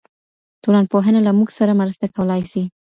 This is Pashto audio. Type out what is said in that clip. ټولنپوهنه له موږ سره مرسته کولای سي.